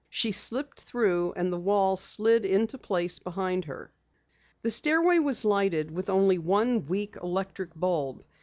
She slipped through and the wall slid into place behind her. The stairway was lighted with only one weak electric bulb.